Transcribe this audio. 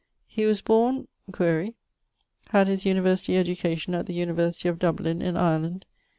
He was borne ... (quaere); had his University education at the University of Dublin, in Ireland.